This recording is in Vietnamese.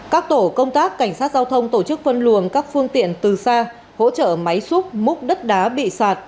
các tổ công tác cảnh sát giao thông tổ chức phân luồng các phương tiện từ xa hỗ trợ máy xúc múc đất đá bị sạt